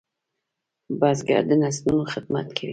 بزګر د نسلونو خدمت کوي